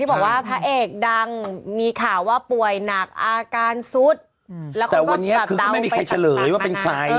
ที่บอกว่าพระเอกดังมีข่าวว่าป่วยหนักอาการสุดอืมแล้วคนก็แบบเดาแต่วันนี้คือไม่มีใครเฉลยว่าเป็นใคร